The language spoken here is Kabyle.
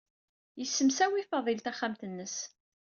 Yessemsawi Fadil taxxamt-nnes.